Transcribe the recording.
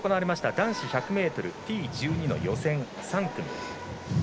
男子１００ｍＴ１２の予選３組。